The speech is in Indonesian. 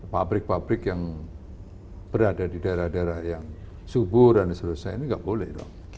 pabrik pabrik yang berada di daerah daerah yang subur dan sebagainya ini gak boleh